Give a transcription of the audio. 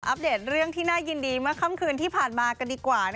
เดตเรื่องที่น่ายินดีเมื่อค่ำคืนที่ผ่านมากันดีกว่า